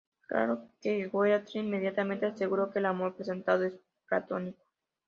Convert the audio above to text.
Claro que Goethe inmediatamente aseguró que el amor presentado es platónico.